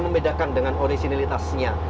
membedakan dengan originalitasnya